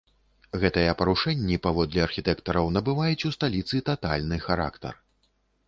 Гэтыя парушэнні, паводле архітэктараў, набываюць у сталіцы татальны характар.